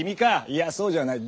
いやそうじゃない。